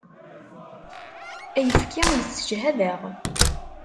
Ayefki yessejhad-aɣ.